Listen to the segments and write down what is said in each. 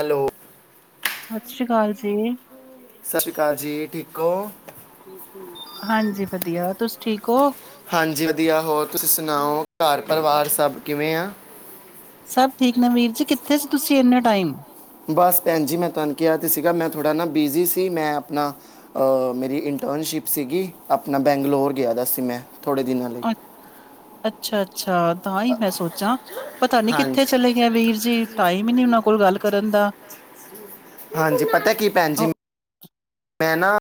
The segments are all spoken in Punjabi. ਹੈਲੋ। ਸਸ੍ਰੀ ਅਕਾਲ ਜੀ। ਸਸ਼੍ਰੀ ਅਕਾਲ ਜੀ। ਠੀਕ ਹੋ? ਹਾਂਜੀ। ਵਧੀਆ, ਤੁਸੀਂ ਠੀਕ ਹੋ। ਹਾਂਜੀ ਵਧੀਆ ਹੋਰ ਤੁਸੀਂ ਸੁਣਾਓ ਘਰ ਪਰਿਵਾਰ ਸਭ ਕਿਵੇਂ ਆ? ਸਭ ਠੀਕ ਨੇ ਵੀਰ ਜੀ ਕਿੱਥੇ ਸੀ ਤੁਸੀਂ ਇੰਨੇ ਟਾਈਮ ਬਸ ਭੈਣ ਜੀ ਮੈਂ ਤੁਹਾਨੂੰ ਕਿਹਾ ਤਾਂ ਸੀਗਾ ਸੀ ਮੈਂ ਥੋੜ੍ਹਾ ਨਾ ਬਿਜ਼ੀ ਸੀ ਮੈਂ ਆਪਣਾ ਮੇਰੀ ਰਿਟਰਨਸ਼ਿਪ ਸੀਗੀ ਆਪਣਾ ਬੈਂਗਲੌਰ ਗਿਆ ਦਾ ਸੀ। ਮੈਂ ਥੋੜ੍ਹੇ ਦਿਨਾਂ ਲਈ ਅੱਛਾ -ਅੱਛਾ ਤਾਂ ਹੀ ਮੈਂ ਸੋਚਾਂ, ਪਤਾ ਨੀ ਕਿੱਥੇ ਹਾਂਜੀ ਚਲੇ ਗਏ ਵੀਰ ਜੀ ਟਾਈਮ ਹੀ ਨੀ ਉਹਨਾਂ ਕੋਲ ਗੱਲ ਕਰਨ ਦਾ ਹਾਂਜੀ ਪਤਾ ਕੀ ਭੈਣ ਜੀ [inaudible] ਮੈਂ ਨਾ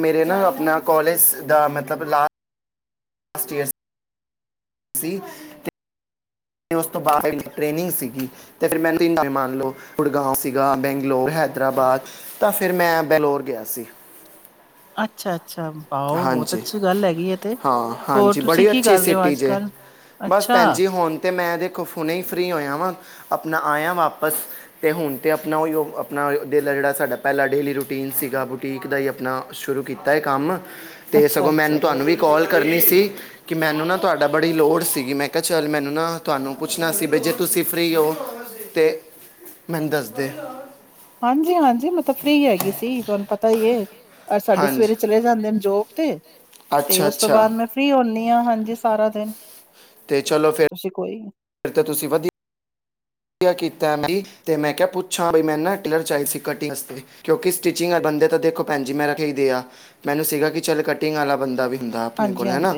ਮੇਰੇ ਨਾ ਆਪਣਾ ਕਾਲੋਜ ਦਾ ਮਤਲਬ ਲਾ [inaudible] ਲਾਸਟ ਈਅਰ। ਸੀ [inaudible] ਉਸ ਤੋਂ ਬਾਅਦ ਟ੍ਰੇਨਿੰਗ ਸੀਗੀ। ਤੇ ਫਿਰ ਮੈਨੂੰ ਤਿੰਨਂ ਮੰਨ ਲਓ ਗੁੜਗਾਉ ਸੀਗਾ, ਬੈਂਗਲੋਰ, ਹੈਦਰਾਬਾਦ ਤਾਂ ਫਿਰ ਮੈਂ ਬਲੌਰ ਗਿਆ ਸੀ। ਅੱਛਾ- ਅੱਛਾ। ਆਓ ਬਹੁਤ ਹਾਂਜੀ ਅੱਛੀ ਗੱਲ ਹੈਗੀ ਇਹ ਤੇ, ਹਾਂ ਹੋਰ ਹਾਂਜੀ ਤੁਸੀਂ ਬੜੀ ਕੀ ਅੱਛੀ ਕਰ ਰਹੇ ਹੋ ਸਿਟੀ ਅੱਜ ਜੇ ਕੱਲ? ਬਸ ਅੱਛਾ, ਭੈਣ ਜੀ ਹੁਣ ਤੇ ਮੈਂ ਦੇਖੋ ਫੁਣੇ ਹੀ ਫ੍ਰੀ ਹੋਇਆ ਵਾਂ, ਆਪਣਾ ਆਇਆ ਵਾਪਸ। ਅਤੇ ਹੁਣ ਤਾਂ ਆਪਣਾ ਉਹ ਹੀ ਉਹ ਆਪਣਾ ਡੇ ਦਾ ਜਿਹੜਾ ਸਾਡਾ ਪਹਿਲਾਾਂ ਡੇਲੀ ਰੂਟੀਨ ਸੀਗਾ ਬੁਟੀਕ ਦਾ ਹੀ ਆਪ ਨਾ ਸ਼ੁਰੂ ਕੀਤਾ ਹੈ ਕੰਮ ਅਤੇ ਸਗੋਂ ਮੈਨੂੰ ਅੱਛਾ-ਅੱਛਾ ਤੁਹਾਨੂੰ ਵੀ ਕੋਲ ਕਰਨੀ ਸੀ। ਕਿ ਮੈਨੂੰ ਨਾ ਤੁਹਾਡਾ ਬੜੀ ਲੋੜ ਸੀਗੀ ਮੈਂ ਕਿਹਾ ਚੱਲ ਮੈਨੂੰ ਨਾ ਤੁਹਾਨੂੰ ਪੁੱਛਣਾ ਵੀ ਜੇ ਤੁਸੀਂ ਫਰੀ ਹੋ। ਅਤੇ, ਮੈਨੂੰ ਦੱਸਦੇ? ਹਾਂਜੀ- ਹਾਂਜੀ ਮੈਂ ਫ੍ਰੀ ਹੈਗੀ ਸੀ ਤੁਹਾਨੂੰ ਪਤਾ ਹੀ ਹੈ। ਸਾਡੇ ਹਾਂਜੀ ਸਵੇਰੇ ਚਲੇ ਜਾਂਦੇ ਨੇ ਜੋਬ ਤੇ, ਤੇ ਅੱਛਾ ਉਸ ਤੋਂ ਅੱਛਾ ਬਾਅਦ ਮੈਂ ਫਰੀ ਹੁੰਦੀ ਹਾਂ ਹਾਂਜੀ ਸਾਰਾ ਦਿਨ। ਅਤੇ ਤੇ ਚਲੋ ਫਿਰ ਤੁਸੀਂ ਕੋਈ ਫਿਰ ਤੇ ਤੁਸੀਂ ਵਧੀਆ ਕੀਤਾ ਤੇ ਮੈਂ ਕਿਹਾ ਪੁੱਛਾਂ ਬ ਮੈਂ ਨਾ ਟਿਲਰ ਚ ਸੀ ਕਟਿੰਗ ਵਾਸਤੇ ਕਿਉਂਕਿ ਸਟਿਚਿੰਗ ਵਾਲੇ ਬੰਦੇ ਤਾਂ ਦੇਖੋ ਭੈਣ ਜੀ ਮੈਂ ਰੱਖ ਹੀ ਦੇ ਆ, ਮੈਨੂੰ ਸੀਗਾ ਕਿ ਚੱਲ ਕਟਿੰਗ ਵਾਲਾ ਬੰਦਾ ਵੀ ਹੁੰਦਾ ਆਪਣੇ ਕੋਲ ਹੈ ਨਾ, ਹਾਂਜੀ-ਹਾਂਜੀ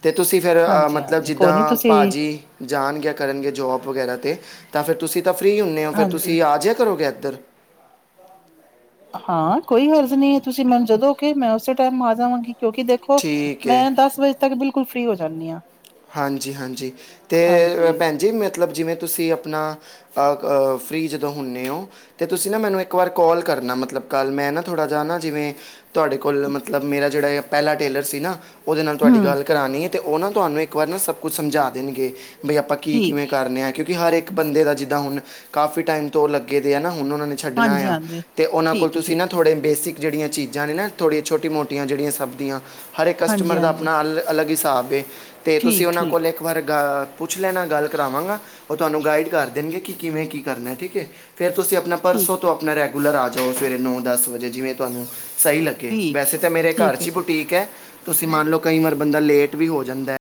ਅਤੇ ਤੁਸੀਂ ਫਿਰ ਮਤਲਬ ਹਾਂਜੀ-ਹਾਂਜੀ ਕੋਈ ਨੀ ਜਿੱਦਾਂ ਤੁਸੀਂ ਭਾਜੀ ਜਾਣਗੇ ਕਰਨਗੇ ਜੋਬ ਵਗੈਰਾ 'ਤੇ ਤਾਂ ਫਿਰ ਤੁਸੀਂ ਤਾਂ ਫਰੀ ਹੁੰਦੇ ਹੋ ਫਿਰ ਹਾਂਜੀ ਤੁਸੀਂ ਆ ਜਹਾ ਕਰੋਗੇ ਇੱਧਰ ਹਾਂ ਕੋਈ ਹਰਜ਼ ਨਹੀਂ ਹੈ ਤੁਸੀਂ ਮੈਨੂੰ ਜਦੋਂ ਕੇ ਮੈਂ ਉਸੇ ਟਾਈਮ ਆ ਜਾਵਾਂਗੀ। ਕਿਉਂਕਿ ਦੇਖੋ ਠੀਕ ਹੈ ਮੈਂ ਦਸ ਵਜੇ ਤੱਕ ਬਿਲਕੁਲ ਫਰੀ ਹੋ ਜਾਂਨੀ ਆਂ। ਹਾਂਜੀ- ਹਾਂਜੀ ਅਤੇ ਹਾਂਜੀ ਭੈਣ ਜੀ ਮਤਲਬ ਜਿਵੇਂ ਤੁਸੀਂ ਆਪਣਾ ਫ੍ਰੀ ਜਦੋਂ ਹੁੰਦੇ ਹੋ। ਤੇ ਤੁਸੀਂ ਨਾ ਮੈਨੂੰ ਇੱਕ ਵਾਰ ਕਾਲ ਕਰਨਾ ਮਤਲਬ ਕੱਲ ਮੈਂ ਨਾ ਥੋੜ੍ਹਾ ਜਾ ਨਾ ਜਿਵੇਂ ਤੁਹਾਡੇ ਕੋਲ ਮਤਲਬ ਮੇਰਾ ਜਿਹੜਾ ਪਹਿਲਾ ਟੇਲਰ ਸੀ ਨਾ ਉਹਦੇ ਨਾਲ ਤੁਹਾਡੀ ਹੂੰ ਗੱਲ ਕਰਾਉਣੀ ਹੈ ਅਤੇ ਉਹ ਨਾ ਤੁਹਾਨੂੰ ਇੱਕ ਵਾਰ ਨਾ ਸਭ ਕੁਛ ਸਮਝਾ ਦੇਣਗੇ ਬਈ ਆਪਾਂ ਕੀ ਠੀਕ ਕਿਵੇਂ ਕਰਨ ਆ ਕਿਉਂਕਿ ਹਰ ਇੱਕ ਬੰਦੇ ਦਾ ਜਿੱਦਾਂ ਹੁਣ ਕਾਫ਼ੀ ਟਾਈਮ ਤੋਂ ਲੱਗੇ ਦੇ ਹੈ ਨਾ ਹੁਣ ਉਹਨਾਂ ਨੇ ਛੱਡਣਾ ਆ ਹਾਂਜੀ-ਹਾਂਜੀ ਤੇ ਉਹਨਾਂ ਕੋਲ ਠੀਕ ਹੈ ਤੁਸੀਂ ਠੀਕ ਥੋੜ੍ਹੇ ਬੇਸਿਕ ਜਿਹੜੀਆਂ ਚੀਜ਼ਾਂ ਨੇ ਨਾ ਥੋੜੀਆਂ ਛੋਟੀ ਮੋਟੀਆਂ ਜਿਹੜੀਆਂ ਸਬ ਦੀਆਂ ਹਰ ਇੱਕ ਕਸਟਮਰ ਦਾ ਹਾਂਜੀ-ਹਾਂਜੀ ਆਪਣਾ ਅਲ ਅਲੱਗ ਹਿਸਾਬ ਅਤੇ ਤੁਸੀਂ ਉਹਨਾਂ ਠੀਕ-ਠੀਕ ਕੋਲ ਇੱਕ ਵਾਰ ਗ ਪੁੱਛ ਲੈਣਾ ਗੱਲ ਕਰਾਵਾਂਗਾ ਉਹ ਤੁਹਾਨੂੰ ਗਾਈਡ ਕਰ ਦੇਣਗੇ ਕਿ ਕਿਵੇਂ ਕੀ ਕਰਨਾ ਠੀਕ ਹੈ ਫਿਰ ਤੁਸੀਂ ਆਪਣਾ ਠੀਕ-ਠੀਕ ਪਰਸੋਂ ਤੋਂ ਆਪਣਾ ਰੈਗੂਲਰ ਆ ਜਾਓ ਸਵੇਰੇ ਨੌ ਦਸ ਵਜੇ ਜਿਵੇਂ ਤੁਹਾਨੂੰ ਸਹੀ ਲੱਗੇ, ਠੀਕ ਠੀਕ ਵੈਸੇ ਮੇਰੇ ਠੀਕ ਘਰ ਠੀਕ 'ਚ ਹੈ ਹੀ ਠੀਕ ਬੁਟੀਕ ਹੈ। ਤੁਸੀਂ ਮੰਨ ਲਓ ਕਈ ਵਾਰ ਬੰਦਾ ਲੇਟ ਵੀ ਹੋ ਜਾਂਦਾ,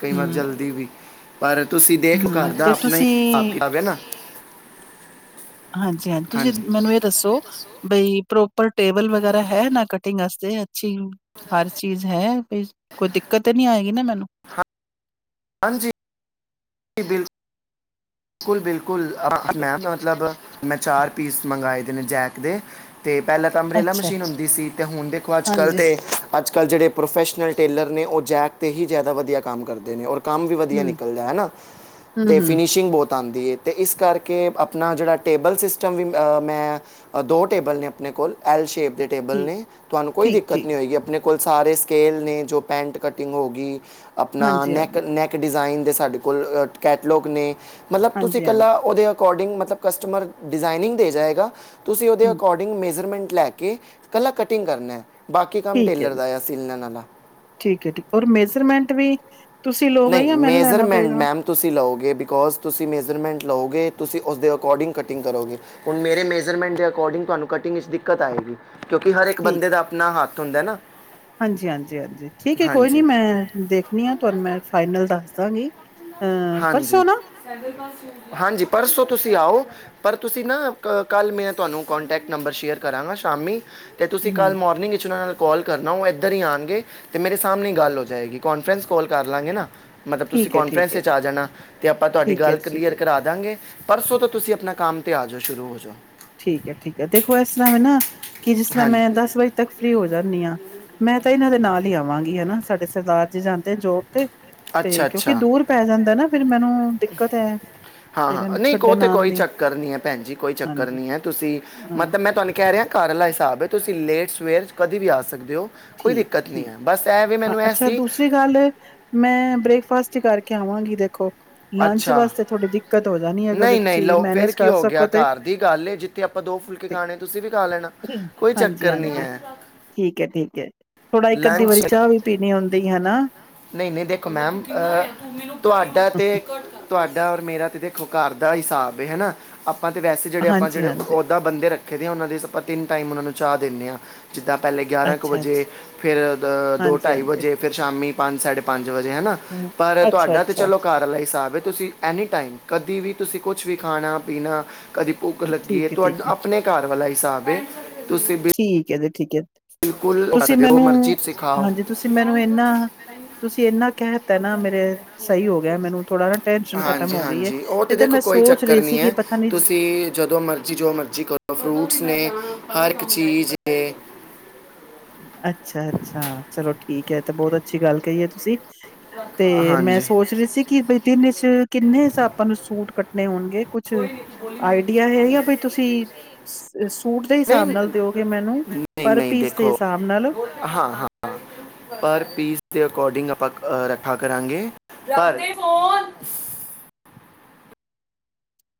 ਕਈ ਵਾਰ ਹੂੰ ਜਲਦੀ ਵੀ। ਪਰ ਤੁਸੀਂ ਦੇਖ ਘਰ ਹੂੰ ਦਾ ਤੇ ਆਪਣਾ ਹੀ ਤੁਸੀਂ ਹਿਸਾਬ ਕਿਤਾਬ ਨਾ। ਹਾਂਜੀ- ਹਾਂਜੀ ਤੁਸੀਂ ਮੈਨੂੰ ਇਹ ਦੱਸੋ, ਬਈ ਪ੍ਰੋਪਰ ਟੇਬਲ ਵਗੈਰਾ ਹੈ ਨਾ ਕਟਿੰਗ ਵਾਸਤੇ ਅੱਛੀ ਹਰ ਚੀਜ਼ ਹੈ ਕੋਈ ਦਿੱਕਤ ਨੀ ਆਏਗੀ ਨਾ ਮੈਨੂੰ। ਹਾਂਜੀ। ਬਿਲਕੁ, ਬਿਲਕੁਲ- ਬਿਲਕੁਲ, ਮੈਮ ਮਤਲਬ ਮੈਂ ਚਾਰ ਪੀਸ ਮੰਗਵਾਏ ਦੇ ਨੇ ਜੈਕ ਦੇ ਅਤੇ ਪਹਿਲਾਂ ਤਾਂ ਅੰਬਰੇਲਾ ਅੱਛਾ ਮਸ਼ੀਨ ਹੁੰਦੀ ਸੀ ਅਤੇ ਹੁਣ ਦੇਖੋ ਅੱਜ ਕੱਲ੍ਹ ਹਾਂਜੀ ਤਾਂ ਅੱਜ ਕੱਲ੍ਹ ਜਿਹੜੇ ਪ੍ਰੋਫੈਸ਼ਨਲ ਟੇਲਰ ਨੇ ਉਹ ਜੈਕ 'ਤੇ ਹੀ ਜ਼ਿਆਦਾ ਵਧੀਆ ਕੰਮ ਕਰਦੇ ਨੇ। ਕੰਮ ਵੀ ਵਧੀਆ ਹੂੰ ਨਿਕਲਦਾ ਹੈਨਾ। ਅਤੇ ਹੂੰ-ਹੂੰ, ਫਿਨਿਸ਼ਿੰਗ ਬਹੁਤ ਆਉਂਦੀ ਹੈ ਅਤੇ ਇਸ ਕਰਕੇ ਆਪਣਾ ਜਿਹੜਾ ਟੇਬਲ ਸਿਸਟਮ ਵੀ ਮੈਂ ਦੋ ਟੇਬਲ ਨੇ ਆਪਣੇ ਕੋਲ ਐਲ ਸ਼ੇਪ ਦੇ ਟੇਬਲ ਠੀਕ, ਨੇ ਤੁਹਾਨੂੰ ਕੋਈ ਦਿੱਕਤ ਠੀਕ-ਠੀਕ, ਨੀ ਹੋਏਗੀ ਆਪਣੇ ਕੋਲ ਕੋਲ ਸਾਰੇ ਸਕੇਲ ਨੇ ਜੋ ਪੈਂਟ ਕਟਿੰਗ ਹੋ ਗਈ। ਆਪਣਾ ਨੈਕ- ਹਾਂਜੀ-ਹਾਂਜੀ, ਨੈਕ ਡਿਜ਼ਾਇਨ ਦੇ ਸਾਡੇ ਕੋਲ ਕੈਟਲੋਗ ਨੇ। ਮਤਲਬ ਤੁਸੀਂ ਹਾਂਜੀ-ਹਾਂਜੀ, ਇਕੱਲਾ ਉਹਦੇ ਅਕੋਰਡਿੰਗ ਮਤਲਬ ਕਸਟਮਰ ਡਿਜ਼ਾਇਨਿੰਗ ਦੇ ਜਾਏਗਾ। ਤੁਸੀਂ ਉਹਦੇ ਹੂੰ, ਅਕੋਰਡਿੰਗ ਮੇਜਰਮੈਂਟ ਲੈ ਕੇ ਇਕੱਲਾ ਕਟਿੰਗ ਕਰਨਾ ਐ। ਬਾਕੀ ਕੰਮ ਠੀਕ ਐ ਟੇਲਰ ਜੀ, ਦਾ ਆ ਸੀਲਣ ਆਲਾ। ਠੀਕ ਐ ਠੀਕ ਔਰ ਮੇਜਰਮੈਂਟ ਵੀ ਤੁਸੀਂ ਲੋਗੇ ਜਾਂ ਮੈਨ ਲੈਣਾ ਪਏਗਾ। ਤੁਸੀ ਲਓਗੇ ਬਿਕੋਜ਼ ਤੁਸੀਂ ਮੇਜਰਮੈਂਟ ਲਓਗੇ ਤੁਸੀਂ ਉਸਦੇ ਅਕੋਡਿੰਗ ਕਟਿੰਗ ਕਰੋਗੇ। ਹੁਣ ਮੇਰੇ ਮੇਜਰਮੈਂਟ ਦੇ ਅਕੋਰਡਿੰਗ ਤੁਹਾਨੂੰ ਕਟਿੰਗ ਵਿੱਚ ਦਿੱਕਤ ਆਏਗੀ। ਕਿਉਂਕਿ ਹਰ ਇੱਕ ਬੰਦੇ ਦਾ ਆਪਣਾ ਹੱਥ ਹੁੰਦਾ ਨਾ। ਹਾਂਜੀ ਹਾਂਜੀ ਹਾਂਜੀ ਠੀਕ ਐ। ਕੋਈ ਨੀ ਹਾਂਜੀ ਮੈਂ ਦੇਖਣੀ ਆ ਤੁਹਾਨੂੰ ਮੈਂ ਫਾਈਨਲ ਦੱਸ ਦਾਂ ਗੀ। ਹਾਂਜੀ, ਹਾਂਜੀ ਪਰਸੋਂ ਤੁਸੀਂ ਆਓ। ਪਰ ਤੁਸੀਂ ਨਾ ਕੱਲ੍ਹ ਮੈਂ ਤੁਹਾਨੂੰ ਕੋਂਟੈਕਟ ਨੰਬਰ ਸ਼ੇਅਰ ਕਰਾਂਗਾ ਸ਼ਾਮੀ। ਤੇ ਤੁਸੀਂ ਹੂੰ, ਕੱਲ੍ਹ ਮੋਰਨਿੰਗ 'ਚ ਉਹਨਾਂ ਨਾਲ ਕਾਲ ਕਰਨਾ ਉਹ ਇੱਧਰ ਹੀ ਆਂਣਗੇ। ਤੇ ਮੇਰੇ ਸਾਹਮਣੇ ਗੱਲ ਹੋ ਜਾਏਗੀ ਕਾਨਫਰੈਂਸ ਕੋਾਲ ਕਰ ਲਾ ਗੇ ਨਾ। ਮਤਲਬ ਤੁਸੀਂ ਠੀਕ ਐ, ਠੀਕ ਕਾਨਫਰੰਸ ਐ, ਵਿੱਚ ਆ ਜਾਣਾ। ਤੇ ਆਪਾਂ ਤੁਹਾਡੀ ਠੀਕ ਐ, ਗੱਲ ਠੀਕ ਕਲੀਅਰ ਐ, ਕਰਾ ਦਾਂ ਗੇ। ਪਰਸੋਂ ਤੋਂ ਤੁਸੀਂ ਆਪਣਾ ਕੰਮ ਤੇ ਆ ਜਾਓ ਜਰੂਰ। ਠੀਕ ਐ ਠੀਕ ਐ। ਦੇਖੋ ਇਸ ਤਰ੍ਹਾਂ ਮੈ ਨਾ ਕਿ ਜਿਸ ਤਰ੍ਹਾਂ ਹਾਂਜੀ ਮੈਂ ਦਸ ਵਜੇ ਤੱਕ ਫਰੀ ਹੋ ਜਾਂਣੀ ਆ। ਮੈਂ ਤਾਂ ਇਹਨਾਂ ਦੇ ਨਾਲ ਹੀ ਆਵਾਂਗੀ ਹਨਾ ਸਾਡੇ ਸਰਦਾਰ ਜੀ ਜਾਂਦੇ ਜੋਬ ਤੇ। ਤੇ ਅੱਛਾ ਕਿਉਂਕਿ ਅੱਛਾ ਦੂਰ ਪੈ ਜਾਂਦਾ ਨਾ ਫਿਰ ਮੈਨੂੰ ਦਿੱਕਤ ਐ। ਹਾਂ ਤੇ -ਹਾਂ ਮੈਨੂੰ ਨਹੀਂ ਕੋ ਉਹ ਛੱਡਣ ਤੇ ਆਣ ਕੋਈ ਦੀ ਚੱਕਰ ਨੀ ਐ। ਭੈਣ ਜੀ ਕੋਈ ਚੱਕਰ ਹਾਂਜੀ ਨੀ ਐ। ਤੁਸੀਂ ਹਾਂ ਮਤਲਬ ਮੈਂ ਤੁਹਾਨੂੰ ਕਹਿ ਰਿਹਾ ਘਰ ਆਲਾ ਹਿਸਾਬ ਐ। ਤੁਸੀਂ ਲੇਟ ਸਵੇਰ ਕਦੀ ਵੀ ਸਕਦੇ ਓ। ਕੋਈ ਠੀਕ ਦਿੱਕਤ ਨੀ ਠੀਕ ਐ ਬਸ ਐ ਵੀ ਅ- ਮੈਨੂੰ ਐ ਅੱਛਾ ਸੀ ਦੂਸਰੀ ਗੱਲ ਏ ਮੈਂ ਬ੍ਰੇਕਫਾਸਟ ਹੀ ਕਰਕੇ ਆਵਾਂਗੀ ਦੇਖੋ। ਲੰਚ ਅੱਛਾ ਵਾਸਤੇ ਥੋਡੀ ਦਿੱਕਤ ਹੋ ਜਾਣੀ ਅਗਰ ਜੇ ਨਹੀਂ ਨਹੀਂ ਤੁਸੀਂ ਮੈਨੇਜ ਕਰ ਸਕੋ ਤੇ। ਤੇ ਆਪਾਂ ਦੋ ਫੁਲਕੇ ਤੇ- ਖਾਣੇ ਤੁਸੀਂ ਵੀ ਖਾ ਲੈਣਾ ਕੋਈ ਹਾਂਜੀ ਚੱਕਰ ਨੀ ਹਾਂਜੀ ਐ। ਠੀਕ ਐ ਠੀਕ ਐ। ਥੋੜਾ ਇੱਕ ਅੱਧੀ ਵਾਰੀ ਚਾਹ ਵੀ ਪੀਣੀ ਹੁੰਂਦੀ ਹਨਾ। ਨਹੀਂ -ਨਹੀਂ ਦੇਖੋ ਮੈਮ ਤੁਹਾਡਾ ਤੇ ਤੁਹਾਡਾ ਔਰ ਮੇਰਾ ਤੇ ਦੇਖੋ ਘਰ ਦਾ ਹਿਸਾਬ ਹਨਾ। ਆਪਾਂ ਤੇ ਵੈਸੇ ਜਿਹੜੇ ਆਪਾਂ ਹਾਂਜੀ ਹਾਂਜੀ ਜਿਹੜੇ ਬੰਦੇ ਰੱਖੇ ਦੇ ਆ ਉਹਨਾਂ ਦੇ ਆਪਾਂ ਤਿੰਨ ਟਾਈਮ ਉਹਨਾਂ ਨੂੰ ਚਾਹ ਦਿੰਨੇ ਆ। ਜਿੱਦਾਂ ਪਹਿਲੇ ਗਿਆਰਾਂ ਕੁ ਅੱਛਾ ਵਜੇ ਅੱਛਾ ਫਿਰ ਦੋ ਹਾਂਜੀ ਢਾਈ ਹਾਂਜੀ ਵਜੇ ਫਿਰ ਸ਼ਾਮੀ ਪੰਜ ਸਾਢੇ ਪੰਜ ਵਜੇ ਹਨਾ। ਹਮ ਪਰ ਅੱਛਾ ਤੁਹਾਡਾ ਤੇ ਅੱਛਾ ਚਲੋ ਘਰ ਆਲਾ ਈ ਹਿਸਾਬ ਐ। ਤੁਸੀਂ ਐਨੀ ਟਾਈਮ ਕਦੀ ਵੀ ਤੁਸੀਂ ਕੁਛ ਵੀ ਖਾਣਾ ਪੀਣਾ ਕਦੀ ਭੁੱਖ ਲੱਗੀ ਠੀਕ ਹੈ ਠੀਕ ਤੁਹਾਡਾ ਹੈ ਆਪਣੇ ਘਰ ਵਾਲਾ ਹਿਸਾਬ ਏ। ਤੁਸੀਂ ਠੀਕ ਐ ਦੀ ਠੀਕ ਐ। ਬਿਲਕੁਲ ਉਹ ਕਰ ਤੁਸੀਂ ਸਕਦੇ ਹੋ ਜੋ ਮੈਨੂੰ ਮਰਜ਼ੀ ਸਿਖਾਓ ਹਾਂਜੀ ਤੁਸੀਂ ਮੈਨੂੰ ਇਹਨਾ ਤੁਸੀਂ ਇੰਨਾ ਕਹਿ ਦਿੱਤਾ ਨਾ ਮੇਰੇ ਸਹੀ ਹੋ ਗਿਆ। ਮੈਨੂੰ ਥੋੜਾ ਨਾ ਟੈਂਸ਼ਨ ਖ਼ਤਮ ਹਾਂਜੀ ਹੋ ਗਈ ਐ। ਹਾਂਜੀ ਉਹ ਤੇ ਦੇਖੋ ਕੋਈ ਚੱਕਰ ਨੀ ਐ। ਤੁਸੀਂ ਜਦੋਂ ਮਰਜੀ ਜੋ ਮਰਜੀ ਫਰੂਟਸ ਨੇ ਹਰ ਇੱਕ ਚੀਜ਼ ਏ। ਅੱਛਾ-ਅੱਛਾ ਚਲੋ ਠੀਕ ਐ। ਇਹ ਤੇ ਬਹੁਤ ਅੱਛੀ ਗੱਲ ਕਹੀਏ ਤੁਸੀਂ। ਤੇ ਮੈਂ ਹਾਂਜੀ ਸੋਚ ਰਹੀ ਸੀ ਕਿ ਬਈ ਦਿਨ 'ਚ ਕਿੰਨੇ ਆਪਾਂ ਨੂੰ ਸੂਟ ਕੱਟਣੇ ਹੋਣਗੇ। ਕੁਛ ਆਈਡੀਆ ਹੈ ਜਾਂ ਫਿਰ ਤੁਸੀਂ ਸੂਟ ਦੇ ਨਹੀਂ ਹਿਸਾਬ ਨਾਲ ਨਹੀਂ ਦਿਓਗੇ ਮੈਨੂੰ ਪਰ ਨਹੀਂ ਪੀਸ ਦੇ ਦੇਖੋ ਸਾਬ ਨਾਲ। ਹਾਂ- ਹਾਂ। ਪਰ ਪੀਸ ਦੇ ਅਕੋਡਿੰਗ ਆਪਾਂ ਰੱਖਾ ਕਰਾਂਗੇ। ਪਰ